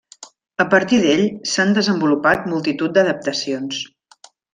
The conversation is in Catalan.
A partir d'ell s'han desenvolupat multitud d'adaptacions.